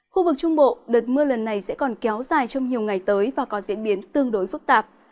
khu vực trung bộ đợt mưa lần này sẽ còn kéo dài trong nhiều ngày tới và có diễn biến tương đối phức tạp